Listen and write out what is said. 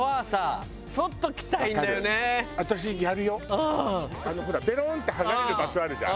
あのほらベローンって剥がれる場所あるじゃん。